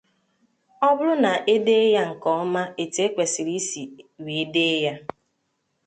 Ọ bụrụ na e dee ya nke ọma etu e kwesiri isi wee dee ya